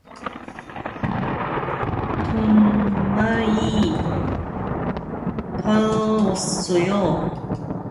돈 많이 벌었을테니 한잔 빨리게.